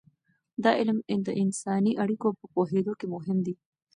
دا علم د انساني اړیکو په پوهیدو کې مهم دی.